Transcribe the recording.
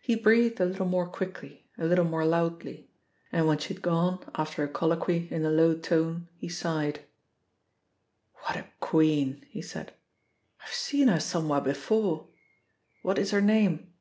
He breathed a little more quickly, a little more loudly, and when she had gone after a colloquy, in a low tone, he sighed. "What a queen!" he said. "I've seen her somewhere before. What is her name?"